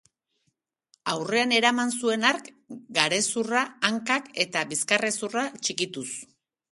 Aurrean eraman zuen hark, garezurra, hankak eta bizkarrezurra txikituz.